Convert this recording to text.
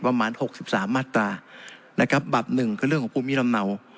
ประมาณหกสิบสามมาตรานะครับบับหนึ่งก็เรื่องของผู้มีลำเนา